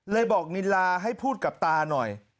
บอกนิลาให้พูดกับตาหน่อย